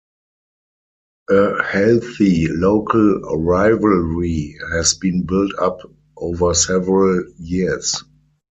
A healthy local rivalry has been built up over several years.